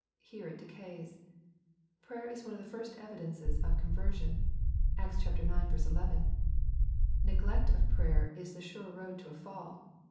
Here it decays. Prayer^is one of the first evidences of conversion. (Acts ix. 11.) Neglect of prayer is the sure road to a fall.